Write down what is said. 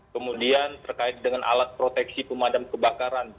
kemudian terkait dengan alat proteksi pemadam kebakaran